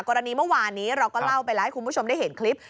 กรณีเมื่อวานนี้เราก็เล่าไปแล้วให้คุณผู้ชมได้เห็นคลิป